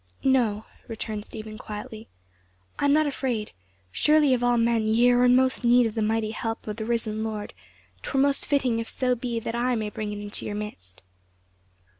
"No," returned Stephen quietly, "I am not afraid; surely of all men ye are most in need of the mighty help of the risen Lord; 'twere most fitting if so be that I may bring it into your midst."